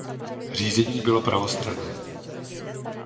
Řízení bylo pravostranné.